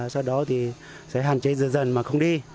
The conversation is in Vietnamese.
sau đó thì sẽ hạn chế dần mà không đi